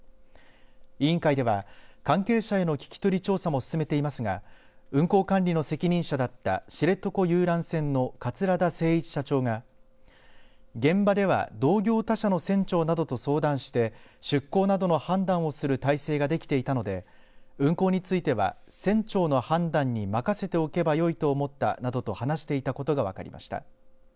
委員会では関係者への聞き取り調査も進めていますが運航管理の責任者だった知床遊覧船の桂田精一社長が現場では同業他社の船長などと相談して出航などの判断をする体制ができていたので運航については船長の判断に任せておけばよいと思ったなどと話していたことが分かりました。